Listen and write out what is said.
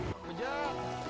menggoreng dengan api